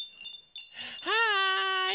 はい！